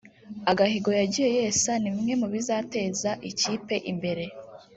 agahigo yagiye yesa ni bimwe mu bizateza ikipe imbere